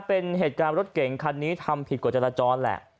เป็นเหตุการณ์รถเก่งคันนี้ทำผิดกว่าจราจรแหละ